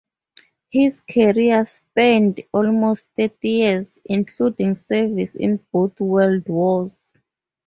His career spanned almost thirty years, including service in both world wars.